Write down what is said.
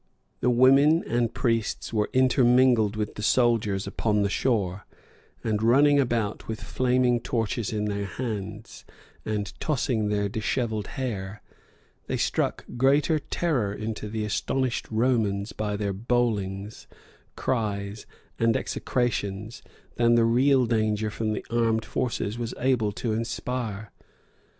The women and priests were intermingled with the soldiers upon the shore; and running about with flaming torches in their hands, and tossing their dishevelled hair, they struck greater terror into the astonished Romans by their bowlings, cries, and execrations, than the real danger from the armed forces was able to inspire.